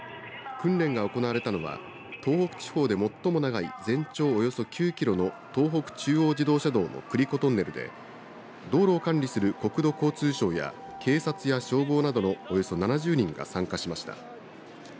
訓練が行われたのは東北地方で最も長い全長およそ９キロの東北中央自動車道の栗子トンネルで道路を管理する国土交通省や警察や消防などのおよそ７０人が参加しました。